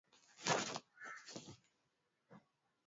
wachaga wanawatambikia wazee wao waliyokufa